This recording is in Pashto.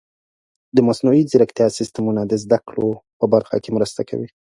د مصنوعي ځیرکتیا سیستمونه د زده کړو په برخه کې مرسته کوي.